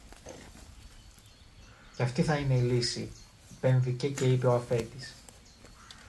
Και αυτή θα είναι η λύση, επεμβήκε και είπε ο αφέντης